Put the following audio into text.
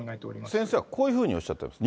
先生はこういうふうにおっしゃってます。